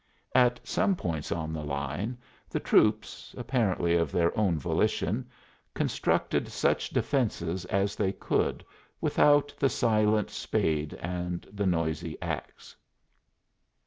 At some points on the line the troops, apparently of their own volition, constructed such defenses as they could without the silent spade and the noisy ax.